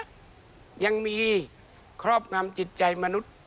ยังมีครอบงำจิตใจมนุษย์